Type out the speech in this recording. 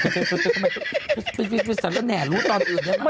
แต่แอ้งจี้ตกประตูศาสตร์หลวงพ่อภูนย์